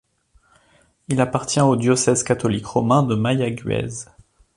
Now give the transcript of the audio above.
Il appartient au diocèse catholique romain de Mayagüez.